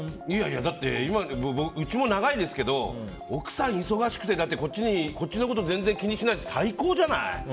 うちも長いですけど奥さん忙しくてこっちのこと全然気にしないって最高じゃない。